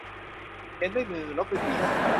เขียนด้วยมือลบด้วยตีน